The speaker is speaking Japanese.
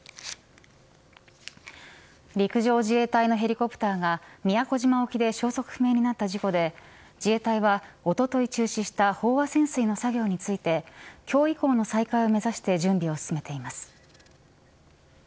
陸上自衛隊のヘリコプターが宮古島沖で消息不明となった事故で自衛隊は、おととい中止した飽和潜水の作業について今日以降の再開を目指して準備を進めています。